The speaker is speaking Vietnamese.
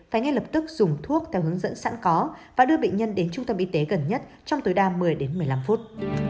phải ngay lập tức dùng thuốc theo hướng dẫn sẵn có và đưa bệnh nhân đến trung tâm y tế gần nhất trong tối đa một mươi đến một mươi năm phút